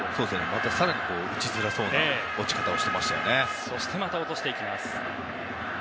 また更に打ちづらそうな落ち方をしていましたね。